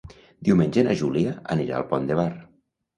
Diumenge na Júlia anirà al Pont de Bar.